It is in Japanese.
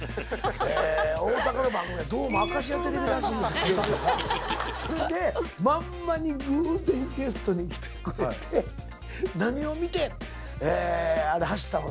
大阪の番組は「どうも『明石家電視台』らしいです」とか。それで『まんま』に偶然ゲストに来てくれて何を見て走ったの？